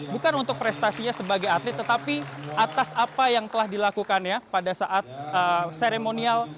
bukan untuk prestasinya sebagai atlet tetapi atas apa yang telah dilakukannya pada saat seremonial